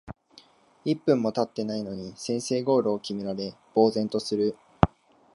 一分もたってないのに先制ゴールを決められ呆然とする